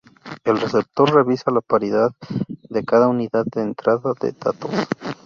El receptor revisa la paridad de cada unidad de entrada de datos.